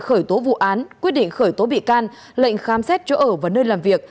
khởi tố vụ án quyết định khởi tố bị can lệnh khám xét chỗ ở và nơi làm việc